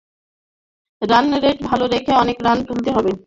Run rate ভালো রেখে অনেক রান তুলতে হবে, বিষয়টা এমন ছিল না।